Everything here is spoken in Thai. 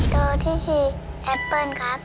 ตัวที่สี่แอปเปิ้ล